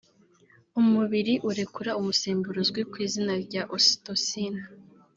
umubiri urekura umusemburo uzwi ku izina rya ositosine(ocytocyne)